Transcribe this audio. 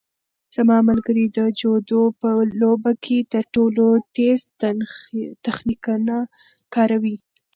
زما ملګری د جودو په لوبه کې تر ټولو تېز تخنیکونه کاروي.